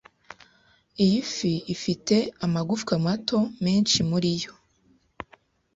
Iyi fi ifite amagufwa mato menshi muri yo.